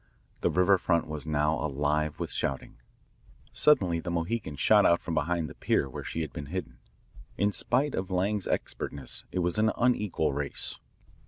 The river front was now alive with shouting. Suddenly the Mohican shot out from behind the pier where she had been hidden. In spite of Lang's expertness it was an unequal race.